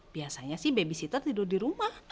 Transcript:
biasanya sih babysitter tidur di rumah